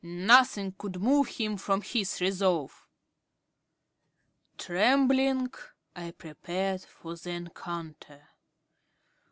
Nothing could move him from his resolve. Trembling, I prepared for the encounter.